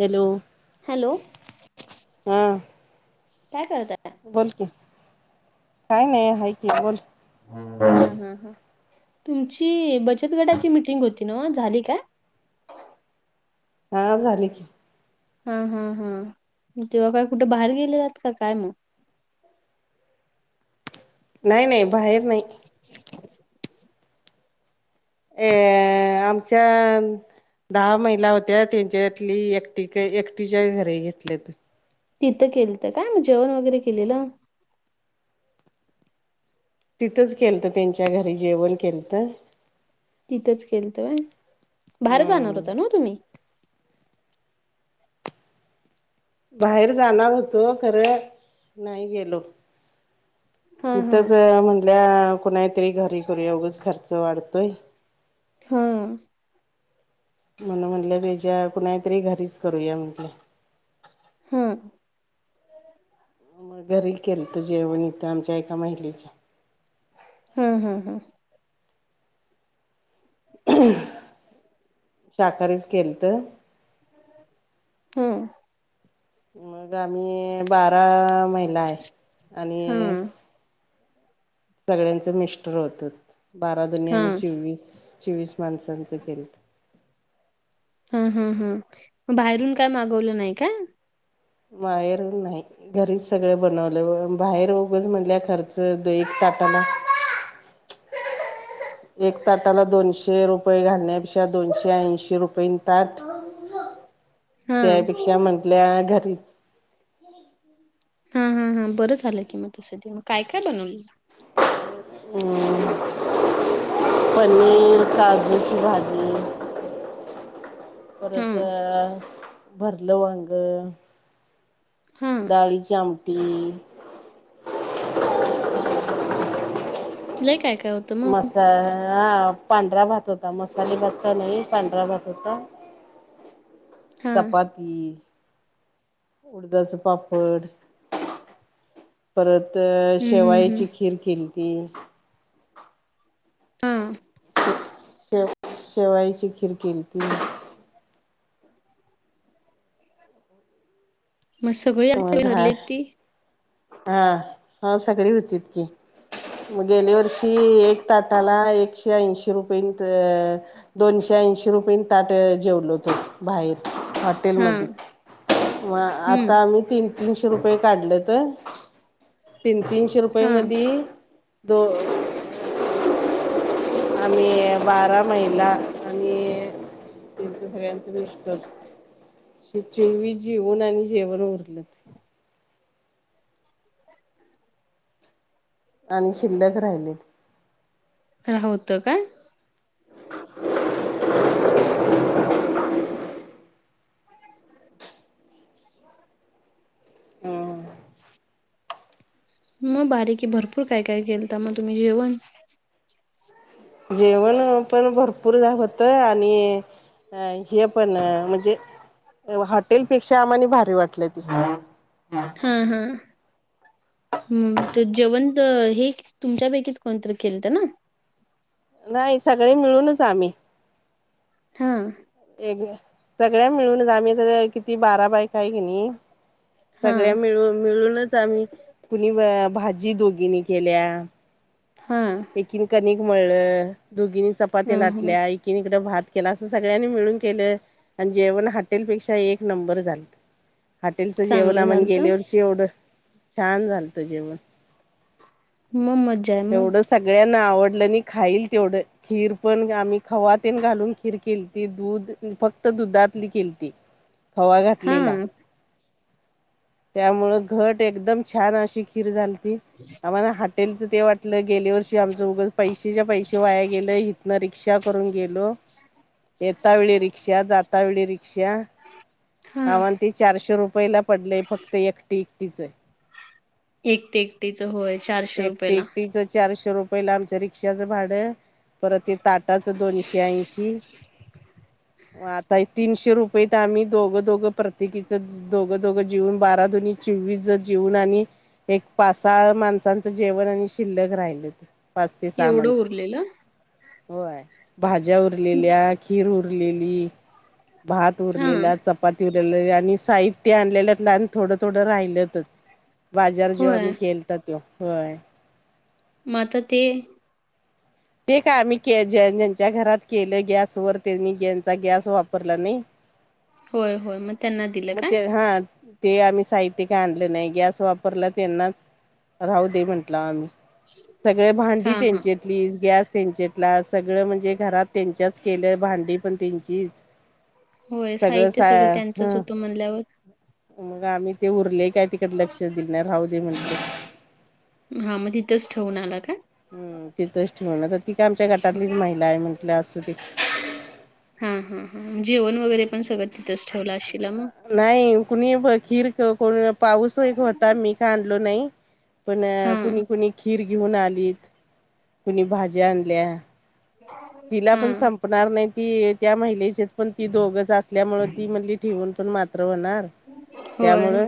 Hello hello हा. काय करताय? बोल कि काय नाही हाय की बोल. हां हां हां तुमची बचतगटाची मिटिंग होती ना ओ झाली काय? हा झालि की. हा हा हा तेव्हा काय कुठं बाहेर गेलेलात का काय? मग नाही नाही बाहेर नाही. हं [inaudible] ए आमच्या दहा महिला होत्या त्यांच्यातली एकटी एकटीच्या घरी घेतलेत. तिथे केलत काय मग जेवण वगैरे केलेलं. तिथंच केलत त्यांच्या घरी जेवण केलत. तिथच केलत व्हय बाहेर जाणार हम्म होता ना तुम्ही? बाहेर जाणार होतो खरं नाही गेलो. हा हा इथच म्हणल्या कुणाच्यातरी घरी करूया उगच खर्च वाढतोय. हा. म्हणून म्हंटलं त्याच्या कुणाच्यातरी घरीच करूया म्हटलं. हां. मग घरी केलंत जेवण इथं आमच्या एका महिलेच्या हा हा हा. शाकाहारीच केलत. हा. मग आम्ही बारा महिला आहे आणि हा सगळ्यांचं मिस्टर होतं बारा दुणे हा आमी चोवीस चोवीस माणसांचं केलत. हा हा हा बाहेरून काय मागवलं नाही काय? बाहेरून नाही. घरीच सगळं बनवलं बाहेर उगच म्हणल्या खर्च द एक ताटाला एक ताटाला दोनशे रुपये घालण्यापेक्षा दोनशे ऐंशी रुपयेन ताट [inaudible] त्यापेक्षा म्हंटल्या घरीच हा हा हा बरं झालंय की मग तस ते मग काय काय बनवलेलं. हम्म. पनीर, काजूची भाजी. हा परत भरलं वांग हा डाळीची आमटी. लयी काय काय होत. मसा हा पांढरा भात होता मसाले भात का नाही पांढरा भात होता. हा चपाती बाकी उडदाच पापड. परत हम्म हम्म हम्म शेवयाची खीर केलती. हा. शेव शेवायची खिर केलती. मग सगळी अ [unintelligible] झा हारलेत ती. हा हो सगळी होतीत की. मग गेली वर्षी एक ताटाला एकशे ऐंशी रुपय होत. दोनशे ऐंशी रुपय ताट जेवलो होत बाहेर. हाटेल हा मध्ये मग हम्म आता आम्ही तीन-तीनशे रुपये काढलत. तीन-तीनशे रुपये हा मधी दो आम्ही बारा महिला आणि त्यांचं सगळ्यांच मिस्टर जेउन आणि जेवण उरलत. [inaudible] आणि शिल्लक राहिले. होतं काय. [inaudible] हं. मग भारी की भरपूर काय काय केलता मग तुम्ही जेवण. जेवण पण भरपूर झा होत आणि अ हे पण म्हणजे हॉटेलपेक्षा आम्हानी भारी वाटलं ते. हा हा. ह तर जेवण हे तुमच्यापैकीच कोणतरी केलत ना. नाही सगळे मिळूनच आम्ही. हा. एक सगळ्या मिळूनच आम्ही तर किती बारा बायका आहे की नाही. हा सगळ्या मिळून मिळूनच आम्ही कुणी भाजी दोघीनी केल्या. हा. एकीनं कणिक मळलं दोघींनी चपात्या हा हा लाटल्या. किन इकडं भात केला असं सगळ्यांनी मिळून केलं. आणि जेवण हॉटेलपेक्षा एक नंबर झालत. हॉटेलचं जेवण चांगलं आमण झालत गेल्या वर्षी एवढं छान झालत जेवण. मग मजा आहे मग. एवढं सगळ्यांना आवडलं आणि खाईल तेवढं. खीर पण आम्ही खवा तेन घालून खीर केलती दूध फक्त दुधातली केलती. [inaudible] खवा हा घातलेला. त्यामुळे घट एकदम छान अशी खीर झालती. [unintelligible] आम्हाला हॉटेलचं ते वाटलं गेल्या वर्षी ती आमचं उगाच पैशाचं पैसे वाया गेलं इतना रिक्षा करून गेलो. येता वेळी रिक्षा जाता जाता वेळी हा आम्हाला ती चारशे रुपयेला पडलय फक्त एकटीचे. एकटी एकटीच होय. चारशे एकटी रुपयाला एकटीच चारशे रुपयेला आमच्या रिक्षाचं भाडं. परत ते ताटाचं दोनशे ऐंशी आणि आता हे तीनशे रुपये येत आम्ही दोघ दोघं प्रत्येकीचच दोघं दोघं जेवून बारा दुने चोवीस जेवून आणि एक पाच सहा माणसं माणसाचं जेवण आणि शिल्लक राहिलं पाच ते सहा एवढं माणसं. उरलेलं होय भाज्या उरलेल्या, खीर उरलेली. भात हा उरलेला, चपाती उरलेली आणि साहित्य आलेल्यातलं आणि थोडं थोडं राहिलेलं. बाजार जेव्हा होय आम्ही केलता तेव्हा होय. मग आता ते ते काय आम्ही के जा ज्यांच्या घरात केलं गॅसवर त्यांनी त्यांचा गॅस वापरला नाही. [inaudible] होय मग त्यांना दिलं मग काय ते हात ते आम्ही साहित्य काय आणलं नाही गॅस वापरला त्यांनाच राहू दे म्हटलं आम्ही. सगळी हा भांडी हा त्यांच्यातलीच. गॅस त्यांच्यातला सगळ म्हणजे घरात त्यांच्याच केलं भांडी पण त्यांचीच होय साहित्य सगळं त्यांच्याच ह होतं म्हणल्यावर. मग आम्ही ते उरलय काय तिकडे लक्ष दिलं नाही राहू दे म्हटलं. हा मग तिथेच ठेवून आला काय? हुम तिथेच ठेवून आलो ती काय आमच्या गटातली महिला ये म्हटलं असू दे हुम हुम जेवण वगैरे पण सगळं तिथेच ठेवलं असशीला मग. नाही कोणी भजन हो कडू नये पाऊस होईल होता मी काय आणलं नाही पण हां, कुणी कुणी खीर घेऊन आली कोणी भाज्या आणल्या तिला पण हां. संपणार नाही ती त्या महिलेच्यात पण ती दोघेच असल्यामुळे ती म्हटली ठेवून पण मात्र होणार. होय. त्यामुळे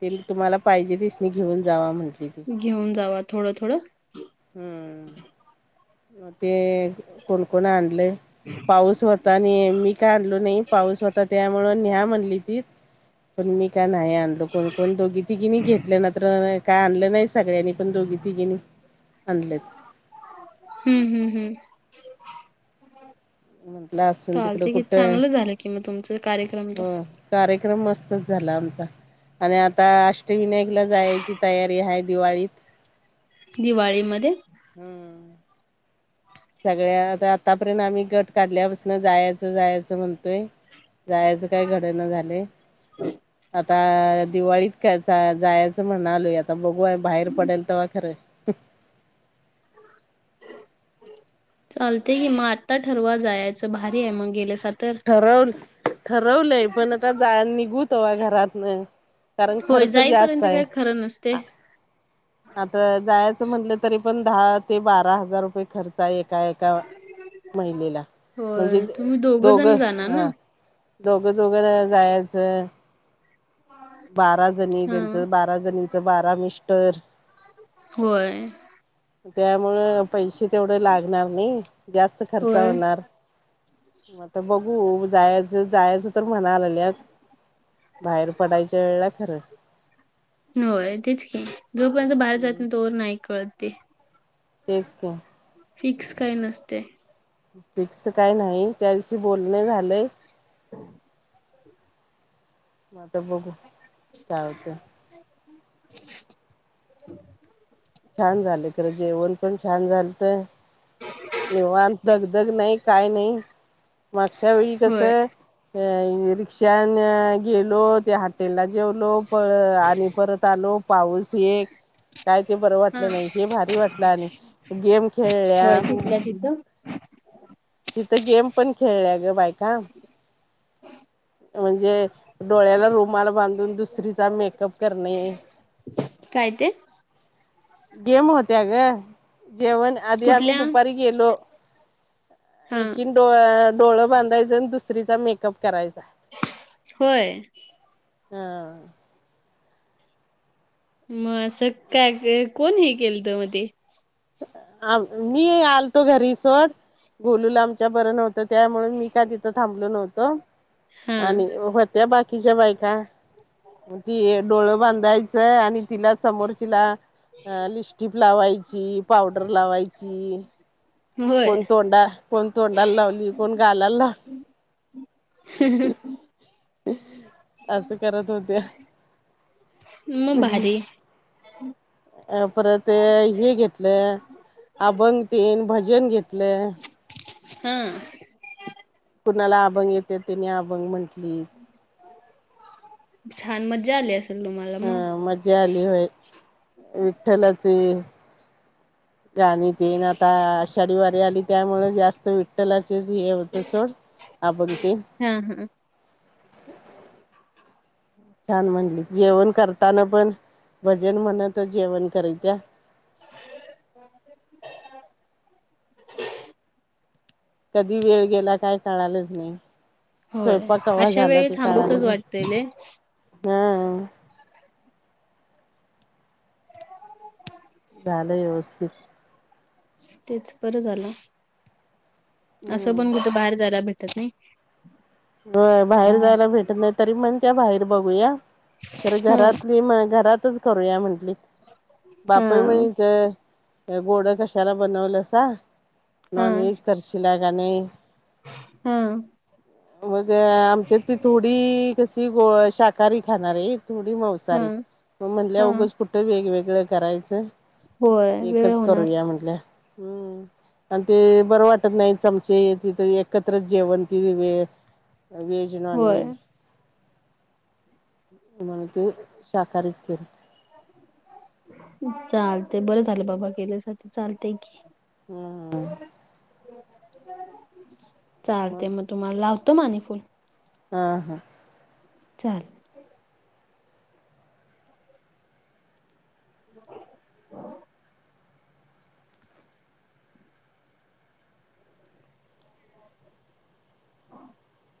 तिनं तुम्हाला पाहिजे ते शनी घेऊन जावा म्हटली. तवा थोडं थोडं हुम ते कोण कोण आणलय पाऊस तानी यांनी काय आणलं नाही पाऊस होता त्यामुळे न्या म्हटली ती. त्यांनी काय नाय आणलं कोण कोण दोघी तिघींनी घेतल्यानंतर काय आणलं नाय सगळ्यांनी पण दोघी तिघींनी आणलंय. हुम हुम हुम. म्हटलं असून तिकडं चालतंय की कुठं चांगलं झालं की मग तुमचं कार्यक्रम तो हुम [unintelligible] कार्यक्रम मस्तच झाला आमचा. आणि आता अष्टविनायकला जायची तयारी आहे दिवाळीत. दिवाळीमध्ये हुम. सगळ्या आता आत्तापर्यंत आम्ही गट काढल्यापासून जायाचं जायचं म्हणतोय. जायचं काय घडणं झाले आ आता दिवाळीत कायचा जायचं म्हणालोय आता बघू आहे बाहेर पडेल तेव्हा खरं. चालते की मग आता ठरवा जायचं भारी आहे मग गेल्या सात ठरव ठरवलंय पण आता जा निघू तवा घरात न. कारण खर्च जास्त आहे. ते आता जायचं म्हटलं तरी पण दहा ते बारा हजार रुपये खर्च आहे. का एका महिलेला म्हणजे होय, तुम्ही दोघं जण जाणार ना? हा [unintelligible] दोघं दोघं जण जायचं. बारा जणी हां. त्यांचं बारा जणीचं बारा मिस्टर. होय. त्यामुळं पैसे तेवढे लागणार नाही जास्त खर्च होय, होणार. आता बघू जायाचं जायचं तर म्हणायला लागल्यात बाहेर पडायच्या वेळेला खरं होय तेच कि जोपर्यंत बाहेर जात हम्म नाही तोवर नाही कळतते. तेच तर. फिक्स काय नसते. फिक्स काय नाही त्याविष बोलणे झालंय. [inaudible] [unintelligible] आता बघू काय होतंय. [inaudible] [unintelligible] [unintelligible] [unintelligible] छान झालं खरं जेवण पण छान झालतं. निवांत धगधग नाही काय नाही मागच्या वेळी होय. कसं अ रिक्षाने गेलो त्या हाटेला जेवलो प आणि परत आलो पाऊस एक. काय ते बरं हां. वाटलं नाही हे भारी वाटलं आणि गेम खेळल्या. [unintelligible] तिथं गेम पण खेळल्या ग बायका. म्हणजे डोळ्याला रुमाल बांधून दुसरीचा मेकअप करणे. काय ते? गेम होत्या ग, जेवण आधी आम्ही कुठल्या दुपारी गेलो. हा एकीन डो डोळ बांधायचं आणि दुसरीचा मेकअप करायचा. होय. हा. मग असं काय कोण हे केलत मगं ते. मी आलतो घरी सोड. गोलूला आमच्या बरं नव्हतं त्यामुळे मी काय तिथं थांबलो नव्हतो हा आणि हो त्या बाकीच्या बायका ती डोळं बांधायचं आणि तिला समोरची ला लिपस्टिक लावायची पावडर लावायची. होय कोण तोंडा कोण तोंडाला लावली कोण गालाला लावली. असं करत होत्या. मग भारी अ परत हे घेतले अभंग तेन भज भजन घेतलं. हा. कुणाला अभंग येते त्यांनी अभंग म्हंटली. छान मजा आली असल. हा मज्जा आली होय विठ्ठलाची गाणी तेन आता आषाढी वारी आली त्यामुळ जास्त विठ्ठलाचे हे होत सोड अभंग ते. हा हा. छान म्हणली जेवण करताना पण भजन म्हणत जेवण करत्या. [inaudible] कधी वेळ गेला काय कळालच नाही. होय स्वयंपाक आवाज अशा आला वेळी तुझा थांबूसच वाटतय लय [unintelligible] झालं व्यवस्थित. तेच बरं झालं. असं पण हम्म कुठे बाहेर जायला भेटत नाही. होयं बाहेर हा जायला भेटत नाही तरी म्हणत्या बाहेर बघूया. खर हा घरातली म घरातच करूया म्हंटली. बापय म्हतय गोड कशाला बनवलंसा. नॉनव्हेज करशीला का नाही. हम्म. मग आमच्या ती थोडी कशी ग शाकाहारी खाणार हाईत. थोडी हा मौसाहारी मगं म्हटल्या हा उगाच कुठं वेगवेगळं करायचं होय वेळ एकच होणार करूया म्हटलं. आणि ते बरं वाटत नाही चमचे तिथ एकत्रच जेवण त व्हेज, नॉन होय व्हेज. म्हणतो शाकाहारीच केले. चालत बरं झालं बाबा गेल्यासाठी, चालते की. हम्मम. चालते मग तुम्हाला लावतो मग आणि फोन. हा हा. चाल. [unintelligible] [inaudible]